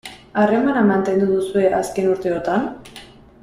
Harremana mantendu duzue azken urteotan?